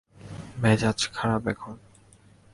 মেজাজ খারাপ এখন।